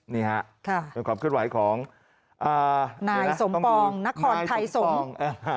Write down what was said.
นี่ค่ะขอบคุณหวัยของนายสมปองนครไทยสงฆ์